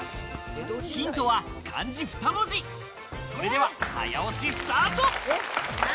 ヒントは漢字２文字、それでは早押しスタート。